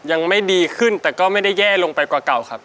ยังไม่ดีขึ้นแต่ก็ไม่ได้แย่ลงไปกว่าเก่าครับ